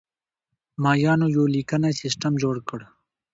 مایانو یو لیکنی سیستم جوړ کړ